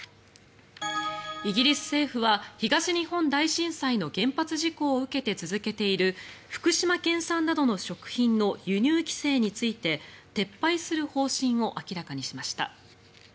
イギリス政府は東日本大震災の原発事故を受けて続けている福島県産などの食品の輸入規制について撤廃する方針を明らかにしました。